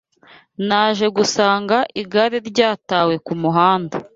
Naje gusanga igare ryatawe kumuhanda.